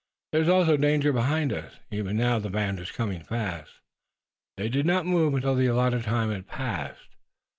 There is also danger behind us. Even now the band is coming fast." They did not move until the allotted time had passed.